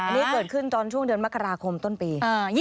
นี่เกิดขึ้นตอนช่วงเดือนมกราคมต้นปี